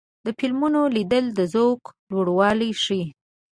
د فلمونو لیدل د ذوق لوړوالی ښيي.